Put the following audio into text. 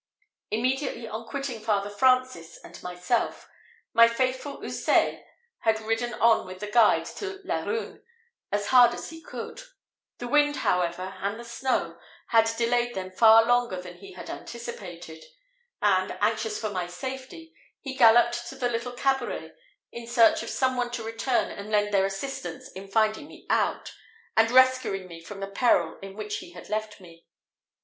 Immediately on quitting Father Francis and myself, my faithful Houssaye had ridden on with the guide to Laruns, as hard as he could. The wind, however, and the snow had delayed them far longer than he had anticipated; and, anxious for my safety, he galloped to the little cabaret in search of some one to return and lend their assistance in finding me out, and rescuing me from the peril in which he had left me.